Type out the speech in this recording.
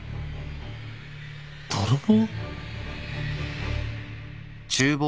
泥棒？